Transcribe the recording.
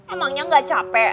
emangnya gak capek